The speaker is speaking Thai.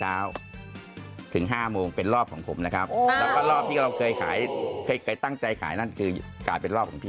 เหมือนเหมือนกับเรารอช่วงจังหวะพอโควิดลงปุ๊บ